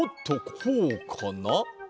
こうかな？